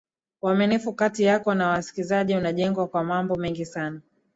uaminifu kati yako na wasikizaji unajengwa kwa mambo mengi sana